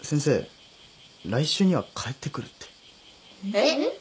えっ？